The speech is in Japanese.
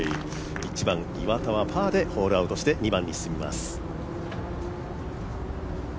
１番、岩田はパーでホールアウトして２番に進みます。